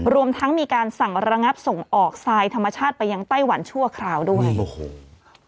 รวมทั้งมีการสั่งระงับส่งออกทรายธรรมชาติไปยังไต้หวันชั่วคราวด้วยโอ้โห